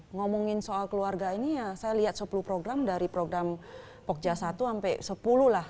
ngomongin soal keluarga ini ya saya lihat sepuluh program dari program pokja satu sampai sepuluh lah